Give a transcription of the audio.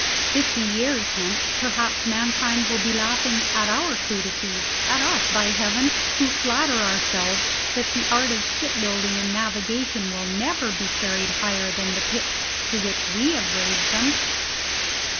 Fifty years hence perhaps mankind will be laughing at our crudities; at us, by heaven, who flatter ourselves that the art of ship building and navigation will never be carried higher than the pitch to which we have raised them!